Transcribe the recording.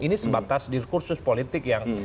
ini sebatas di kursus politik yang